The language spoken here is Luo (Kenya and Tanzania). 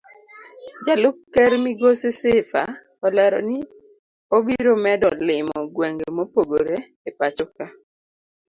Jalup ker migosi Sifa olero ni obiro medo limo gwenge mopogore epachoka.